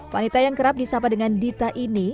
wanita yang kerap disapa dengan dita ini